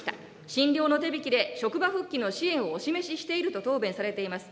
診療の手引きで職場復帰の支援をお示ししていると答弁されています。